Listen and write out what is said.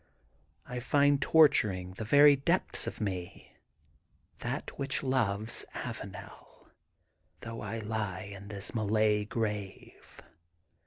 I find torturing the very depths of me, that which loves Avanel, though I lie in this Malay grave.